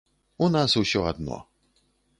У нас усё адно.